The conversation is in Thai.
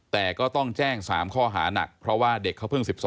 แต่ก็ต้องแจ้งสามข้อหานัก